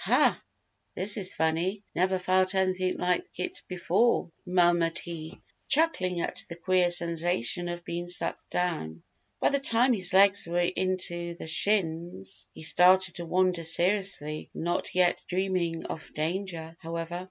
"Huh! This is funny. Never felt anything like it before," murmured he, chuckling at the queer sensation of being sucked down. By the time his legs were in to the shins, he started to wonder seriously, not yet dreaming of danger, however.